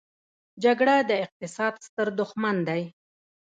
جګړه د اقتصاد ستر دښمن دی.